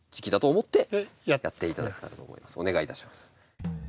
お願いいたします。